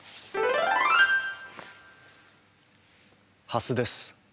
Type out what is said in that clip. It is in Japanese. ハスです。